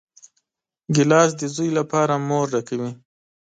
ګیلاس د زوی لپاره مور ډکوي.